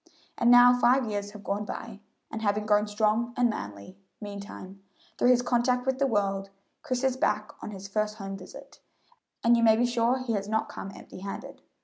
And now five years have gone by, and having grown strong and manly, meantime, through his contact with the world, Chris is back on his first home visit, and you may be sure he has not come empty handed.